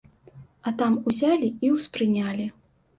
А там узялі і ўспрынялі.